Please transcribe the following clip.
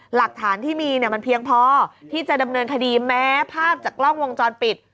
หลักฐานที่มีเนี่ยมันเพียงพอที่จะดำเนินคดีแม้ภาพจากกล้องวงจรปิด